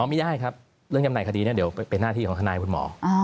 ไม่ได้ครับเรื่องจำหน่ายคดีนี้เดี๋ยวเป็นหน้าที่ของทนายคุณหมอ